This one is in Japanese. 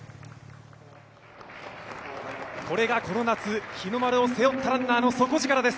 これがこの夏、日の丸を背負ったランナーの底力です。